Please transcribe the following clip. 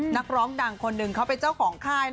นักร้องดังคนหนึ่งเขาเป็นเจ้าของค่าย